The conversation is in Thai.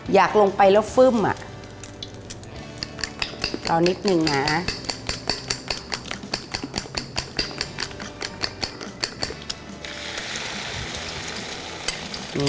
อยากลงไปแล้วฟึ่มอ่ะเอานิดนึงนะ